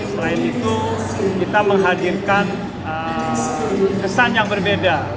selain itu kita menghadirkan kesan yang berbeda